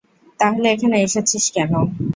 তাহলে এখানে এসেছিস কেন?